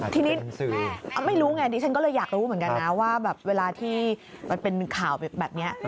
ทีนี้ไม่รู้ไงดิฉันก็เลยอยากรู้เหมือนกันนะว่าแบบเวลาที่มันเป็นข่าวแบบนี้